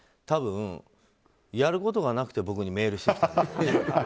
多分やることがなくて僕にメールしてきた。